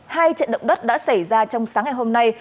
hai trận động đất đã xảy ra trong sáng ngày hôm nay